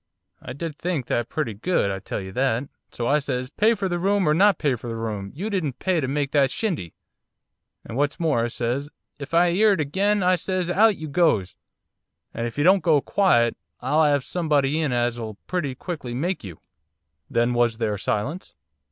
I did think that pretty good, I tell you that. So I says, "Pay for the room or not pay for the room, you didn't pay to make that shindy!" And what's more I says, "If I 'ear it again," I says, "out you goes! And if you don't go quiet I'll 'ave somebody in as'll pretty quickly make you!"' 'Then was there silence?